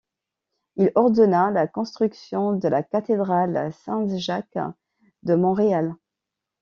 Il ordonna la construction de la Cathédrale Saint-Jacques de Montréal.